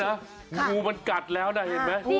เดี๋ยวนะงูมันกัดแล้วหน่อยเห็นไหม